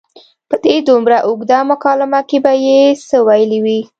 په دې دومره اوږده مکالمه کې به یې څه ویلي وي.